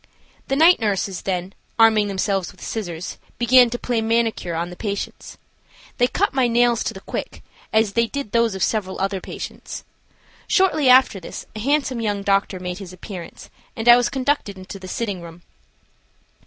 The night nurses then, arming themselves with scissors, began to play manicure on the patients. They cut my nails to the quick, as they did those of several of the other patients. Shortly after this a handsome young doctor made his appearance and I was conducted into the sitting room.